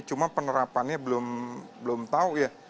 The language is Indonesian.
cuma penerapannya belum tahu ya